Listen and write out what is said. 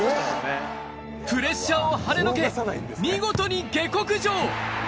プレッシャーをはねのけ、見事に下克上。